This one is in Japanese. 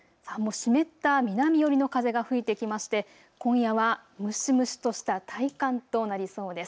湿った南寄りの風が吹いてきて今夜は蒸し蒸しとした体感となりそうです。